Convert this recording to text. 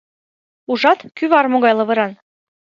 Ужат, кӱвар могай лавыран?